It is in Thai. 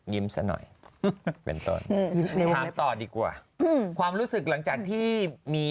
ยิ้มซะหน่อยเป็นต้นต่อดีกว่าความรู้สึกหลังจากที่มี